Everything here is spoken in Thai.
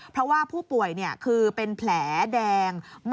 เพราะว่าผู้ป่วยคือเป็นแผลแดง